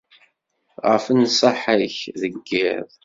Ɣef nnṣaḥa-k, deg yiḍ.